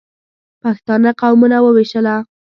پښتانه قومونه ووېشله.